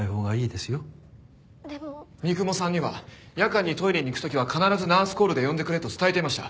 三雲さんには夜間にトイレに行く時は必ずナースコールで呼んでくれと伝えていました。